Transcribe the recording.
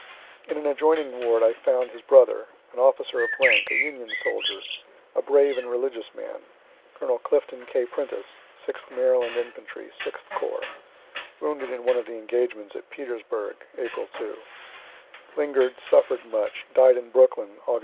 In an adjoining ward I found his brother, an officer of rank, a Union soldier, a brave and religious man, (Col. Clifton K. Prentiss, sixth Maryland infantry, Sixth corps, wounded in one of the engagements at Petersburgh, April 2 linger'd, suffer'd much, died in Brooklyn, Aug.